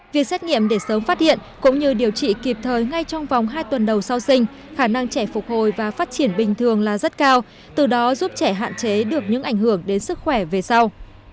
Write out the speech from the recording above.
việc xét nghiệm để sớm phát hiện cũng như điều trị kịp thời ngay trong vòng hai tuần đầu sau sinh khả năng trẻ phục hồi và phát triển bình thường là rất cao từ đó giúp trẻ hạn chế được những ảnh hưởng đến sức khỏe về sau